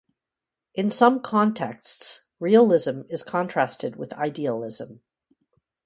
In some contexts, realism is contrasted with idealism.